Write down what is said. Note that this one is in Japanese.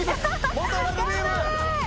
元ラグビー部。